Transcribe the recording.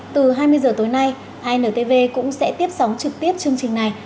từ hai mươi h tối nay intv cũng sẽ tiếp sóng trực tiếp chương trình này